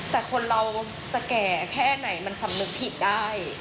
แต่คนเราจะแก่แค่ไหนมันสำนึกผิดได้